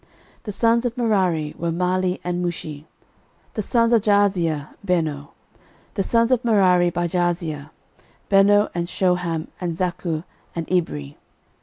13:024:026 The sons of Merari were Mahli and Mushi: the sons of Jaaziah; Beno. 13:024:027 The sons of Merari by Jaaziah; Beno, and Shoham, and Zaccur, and Ibri.